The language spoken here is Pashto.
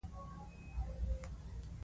آیا د پښتنو ځوانان بروتونه نه پریږدي؟